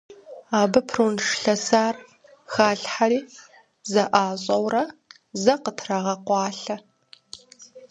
Абы прунж лъэсар халъхьэри, зэӀащӀэурэ, зэ къытрагъэкъуалъэ.